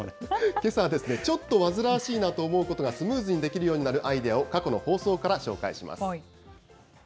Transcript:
けさはちょっと煩わしいなと思うことがスムーズにできるようになるアイデアを、過去の放送から紹介します。